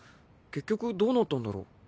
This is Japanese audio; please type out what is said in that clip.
結局どうなったんだろう。